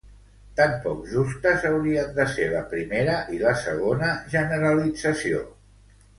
Tan poc justes haurien de ser la primera i la segona generalització.